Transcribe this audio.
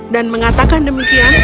dan mengatakan demikian